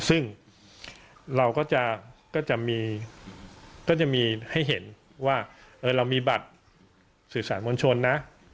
ซึ่งเราก็จะมีก็จะมีให้เห็นว่าเรามีบัตรสื่อสารมวลชนนะ